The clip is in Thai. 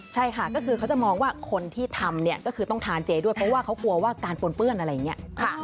ใช่ค่ะก็คือเขาจะมองว่าคนที่ทำเนี่ยก็คือต้องทานเจด้วยเพราะว่าเขากลัวว่าการปนเปื้อนอะไรอย่างนี้